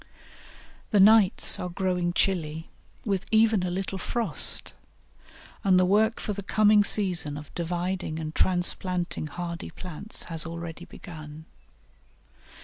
The nights are growing chilly, with even a little frost, and the work for the coming season of dividing and transplanting hardy plants has already begun.